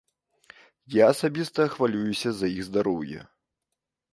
Я асабіста хвалююся за іх здароўе.